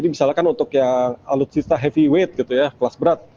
misalkan untuk yang alutsista heavyweight gitu ya kelas berat